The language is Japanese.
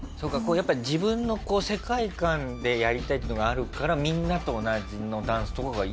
やっぱり自分の世界観でやりたいっていうのがあるからみんなと同じのダンスとかがイヤだったんですかね。